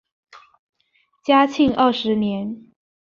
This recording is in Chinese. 嘉庆二十年。